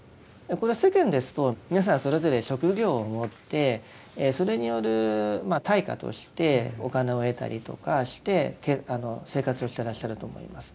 これは世間ですと皆さんそれぞれ職業を持ってそれによる対価としてお金を得たりとかして生活をしてらっしゃると思います。